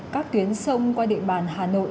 các tuyến sông qua địa bàn hà nội